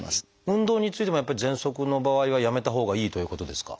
運動についてもやっぱりぜんそくの場合はやめたほうがいいということですか？